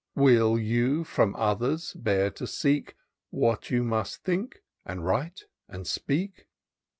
Will you from others bear to seek What you must think, and write, and speak